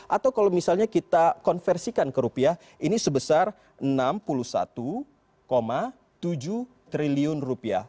atau kalau misalnya kita konversikan ke rupiah ini sebesar enam puluh satu tujuh triliun rupiah